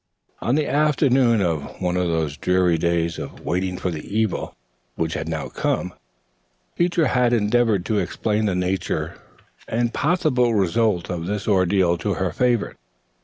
On the afternoon of one of those dreary days of waiting for the evil which had now come, Teacher had endeavored to explain the nature and possible result of this ordeal to her favorite.